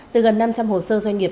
từ gần năm trăm linh hồ sơ doanh nghiệp